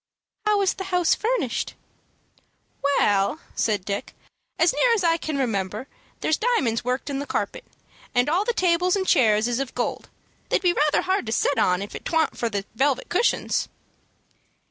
"How is the house furnished?" "Well," said Dick, "as near as I can remember, there's diamonds worked in the carpet, and all the tables and chairs is of gold. They'd be rather hard to set on if it twan't for the velvet cushions."